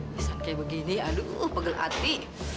bisa kayak begini aduh pegel hati